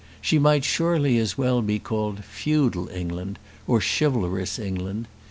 She might surely as well be called feudal England, or chivalrous England.